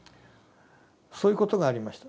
そういうことがありました。